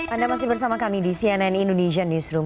anda masih bersama kami di cnn indonesia newsroom